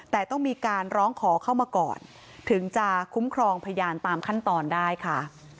แต่ต้องมีการร้องขอเข้ามาก่อนถึงจะคุ้มครองพยานตามขั้นตอนได้ค่ะ